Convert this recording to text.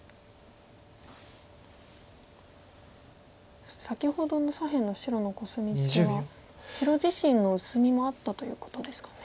そして先ほどの左辺の白のコスミツケは白自身の薄みもあったということですかね。